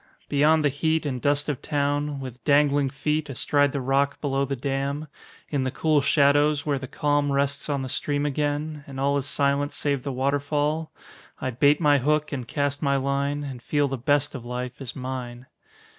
Beyond the heat And dust of town, with dangling feet Astride the rock below the dam, In the cool shadows where the calm Rests on the stream again, and all Is silent save the waterfall, I bait my hook and cast my line, And feel the best of life is mine.